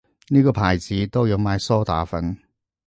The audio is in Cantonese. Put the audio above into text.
呢個牌子都有賣梳打粉